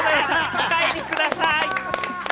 お帰りください！